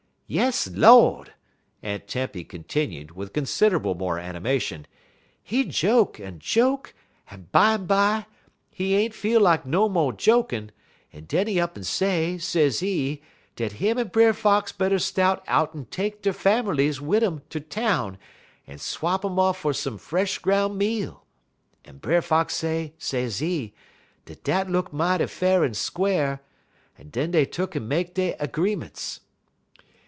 "Yas, Lord!" Aunt Tempy continued, with considerable more animation; "he joke, un joke, but bimeby, he ain't feel like no mo' jokin', un den he up'n say, sezee, dat him un Brer Fox better start out'n take der fammerlies wid um ter town un swap um off for some fresh groun' meal; un Brer Fox say, sezee, dat dat look mighty fa'r un squar', un den dey tuck'n make dey 'greements.